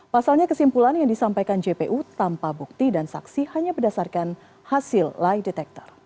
pasalnya kesimpulan yang disampaikan jpu tanpa bukti dan saksi hanya berdasarkan hasil lie detector